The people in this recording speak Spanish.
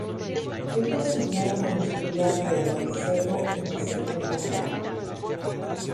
Ella soñaba con estudiar violoncelo en el segundo grado.